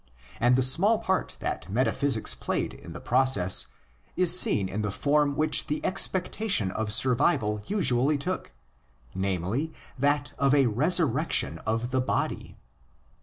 And the small part that metaphysics played in the process is seen in the form which the expectation of survival usually took—namely, that of a '' resurrection of the body."